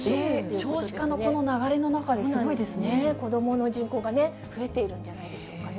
少子化のこの流れの中で、子どもの人口がね、増えているんじゃないでしょうかね。